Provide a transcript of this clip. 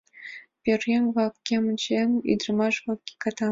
Пӧръеҥ-влак кемым чиеныт, ӱдырамаш-влак — катам.